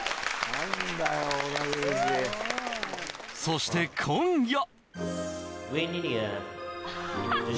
そして今夜！